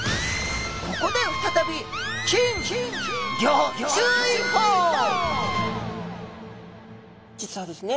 ここで再び実はですね